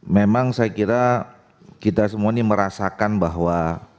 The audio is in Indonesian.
memang saya kira kita semua ini merasakan bahwa